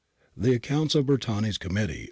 The accounts oi Bertani' s Committee a.